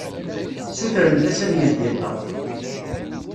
Sutrent-as ad yeldi ṭṭaq.